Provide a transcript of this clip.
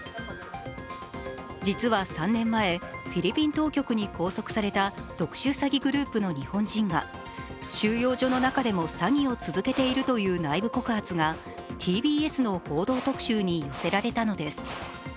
実は３年前、フィリピン当局に拘束された特殊詐欺グループの日本人が収容所の中でも詐欺を続けているという内部告発がＴＢＳの「報道特集」に寄せられたのです。